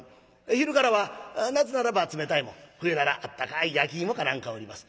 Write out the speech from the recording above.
昼からは夏ならば冷たいもん冬ならあったかい焼き芋か何かを売ります。